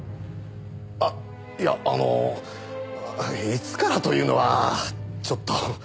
あっいやあのいつからというのはちょっと。